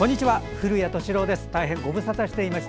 古谷敏郎です。